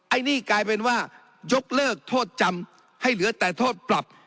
อันนี้กลายเป็นว่ายกเลิกโทษจำให้เหลือแต่โทษปรับ